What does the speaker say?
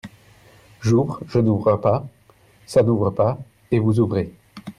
J'ouvre, je n'ouvre pas (ça n'ouvre pas), et vous ouvrez.